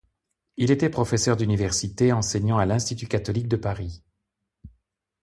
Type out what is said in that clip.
Il était professeur d'université enseignant à l'Institut catholique de Paris.